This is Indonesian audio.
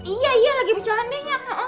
iya iya lagi bercanda nya